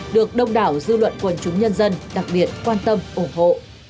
được đông đảo dư luận quần chúng nhân dân đặc biệt quan tâm ủng hộ